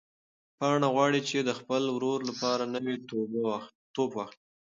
پاڼه غواړي چې د خپل ورور لپاره نوی توپ واخلي.